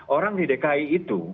orang di dki itu